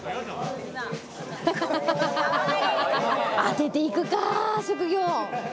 当てていくか、職業。